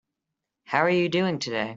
How are you doing today?